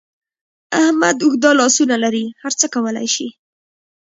احمد اوږده لاسونه لري؛ هر څه کولای شي.